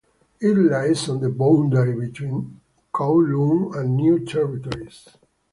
It lies on the boundary between Kowloon and New Territories.